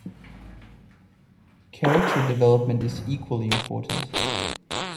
Character development is equally important.